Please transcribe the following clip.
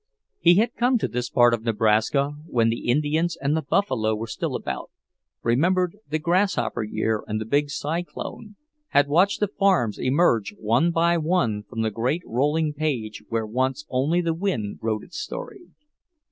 He had come to this part of Nebraska when the Indians and the buffalo were still about, remembered the grasshopper year and the big cyclone, had watched the farms emerge one by one from the great rolling page where once only the wind wrote its story.